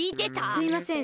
すいません。